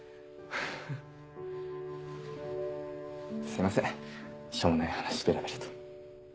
すいませんしょうもない話ベラベラと。